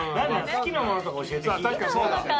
好きなものか。